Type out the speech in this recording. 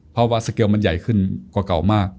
เพราะว่าสเกลมันใหญ่ขึ้นกว่าเก่ามาก